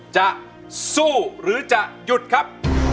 จะสู้หรือจะหยุดครับ